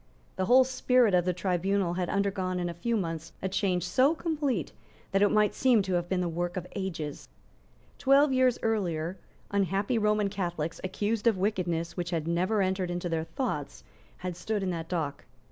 The whole spirit of the tribunal had undergone in a few months a change so complete that it might seem to have been the work of ages. Twelve years earlier, unhappy Roman Catholics, accused of wickedness which had never entered into their thoughts, had stood in that dock.